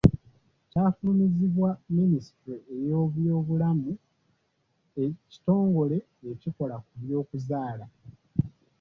Kyafulumizibwa Ministule y'Ebyobulamu Ekitongole ekikola ku byokuzaala